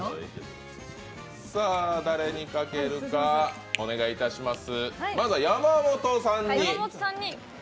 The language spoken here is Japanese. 誰に賭けるかお願いいたします。